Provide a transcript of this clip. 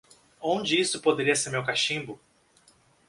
Onde isso poderia ser meu cachimbo?